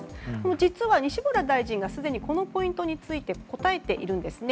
実は、西村大臣がすでにこのポイントについて答えているんですね。